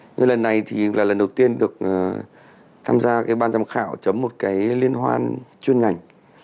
nhưng lần này thì là lần đầu tiên được tham gia cái ban giám khảo chấm một cái liên hoan chuyên ngành